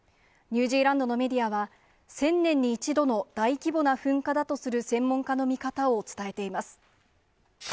ニュージーランドのメディアは、１０００年に一度の大規模な噴火だとする専門家の見方を伝えています。